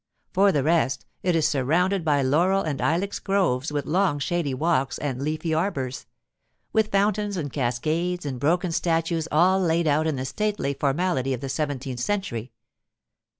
For the rest, it is surrounded by laurel and ilex groves with long shady walks and leafy arbors, with fountains and cascades and broken statues all laid out in the stately formality of the seventeenth century.